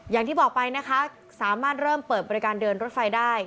อย่างที่บอกไปนะคะสามารถเริ่มเปิดบริการเดินรถไฟได้